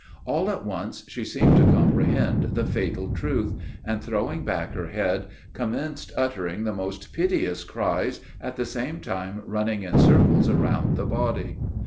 All at once, she seemed to comprehend the fatal truth; and, throwing back her head, commenced uttering the most piteous cries, at the same time running in circles around the body.